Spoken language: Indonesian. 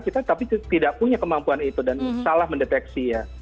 kita tapi tidak punya kemampuan itu dan salah mendeteksi ya